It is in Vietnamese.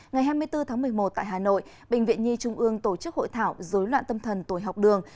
ngày hai mươi bốn tháng một mươi một tại hà nội bệnh viện nhi trung ương tổ chức hội thảo dối loạn tâm thần tồi học đường